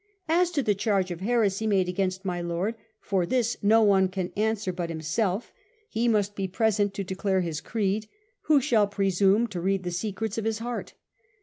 " As to the charge of heresy made against my Lord, for this no one can answer but himself : he must be present to declare his creed : who shall presume to read the secrets of his heart